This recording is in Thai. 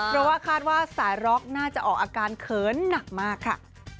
เพราะว่าคาดว่าสายร็อกน่าจะออกอาการเขินหนักมากค่ะ